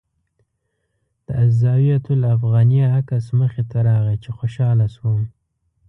د الزاویة الافغانیه عکس مخې ته راغی چې خوشاله شوم.